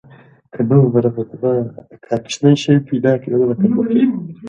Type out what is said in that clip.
انګریزان کوهي په لاس کې ساتلې وو.